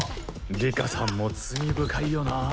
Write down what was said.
里佳さんも罪深いよなぁ。